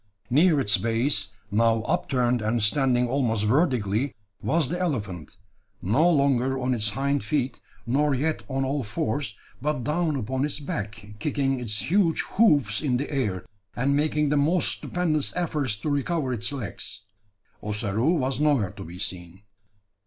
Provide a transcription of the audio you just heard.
Near its base, now upturned and standing almost vertically, was the elephant, no longer on its hind feet, nor yet on all fours, but down upon its back, kicking its huge hoofs in the air, and making the most stupendous efforts to recover its legs. Ossaroo was nowhere to be seen!